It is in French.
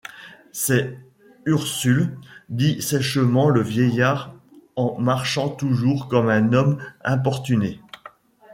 C’est Ursule, dit sèchement le vieillard en marchant toujours comme un homme importuné.